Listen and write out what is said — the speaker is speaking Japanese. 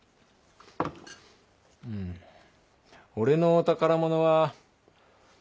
うん俺の宝物は。